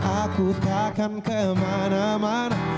aku takkan kemana mana